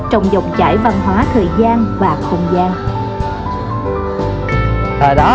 trong dòng chảy văn hóa thời gian và không gian